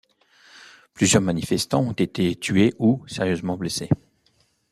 Plusieurs manifestants ont été tués ou sérieusement blessés.